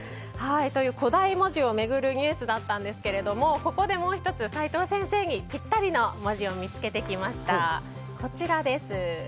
古代文字を巡るニュースだったんですけれどもここでもう１つ齋藤先生にピッタリな文字を見つけてきました。